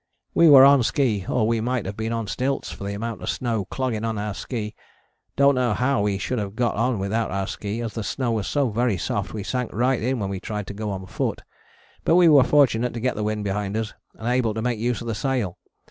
We were on ski or we might have been on stilts for the amount of snow clogging on our ski, dont know how we should have got on without our ski, as the snow was so very soft we sank right in when we tried to go on foot, but we were fortunate to get the wind behind us and able to make use of the sail.